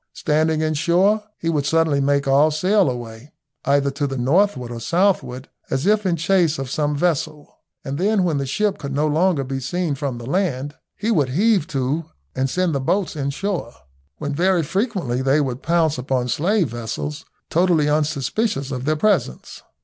Standing in shore, he would suddenly make all sail away, either to the northward or southward, as if in chase of some vessel, and then when the ship could no longer be seen from the land he would heave to and send the boats in shore, when very frequently they would pounce upon slave vessels totally unsuspicious of their presence.